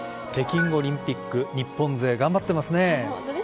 北京オリンピック日本勢、頑張っていますね。